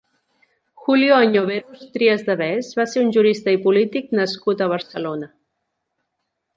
Julio Añoveros Trias de Bes va ser un jurista i polític nascut a Barcelona.